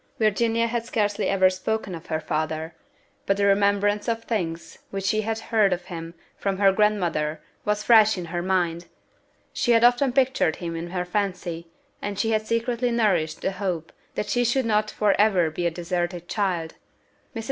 Virginia had scarcely ever spoken of her father; but the remembrance of things which she had heard of him from her grandmother was fresh in her mind; she had often pictured him in her fancy, and she had secretly nourished the hope that she should not for ever be a deserted child. Mrs.